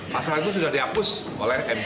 pasal itu sudah dihapus oleh mk